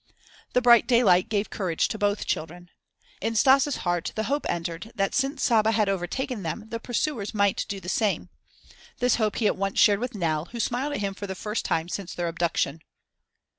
The bright daylight gave courage to both children. In Stas' heart the hope entered that since Saba had overtaken them, the pursuers might do the same. This hope he at once shared with Nell, who smiled at him for the first time since their abduction.